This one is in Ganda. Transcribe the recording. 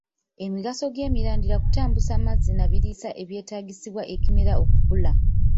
Emigaso gy'emirandira kutambuza mazzi na biriisa ebyetaagisibwa ekimera okukula